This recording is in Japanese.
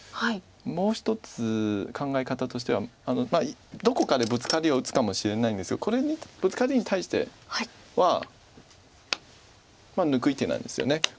もう１つ考え方としてはどこかでブツカリを打つかもしれないんですがこれにブツカリに対しては抜く一手なんですよね。